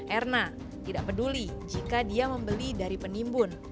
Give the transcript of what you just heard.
erna tidak peduli jika dia membeli dari penimbun